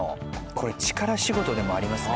これ力仕事でもありますね。